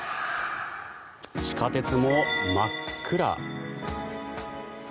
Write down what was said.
地下鉄も真っ暗。